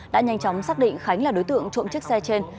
đã nhanh chóng xác định khánh là đối tượng trộm chiếc xe trên